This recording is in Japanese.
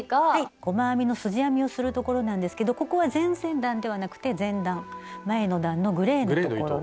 細編みのすじ編みをするところなんですけどここは前々段ではなくて前段前の段のグレーのところの。